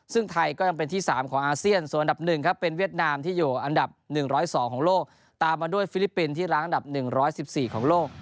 ซึ่งไทยก็ยังเป็นที่๓ของอาเซียนส่วนอันดับ๑ครับเป็นเวียดนามที่อยู่อันดับ๑๐๒ของโลกตามมาด้วยฟิลิปปินส์ที่ร้างอันดับ๑๑๔ของโลก